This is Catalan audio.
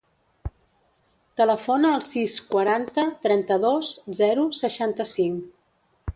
Telefona al sis, quaranta, trenta-dos, zero, seixanta-cinc.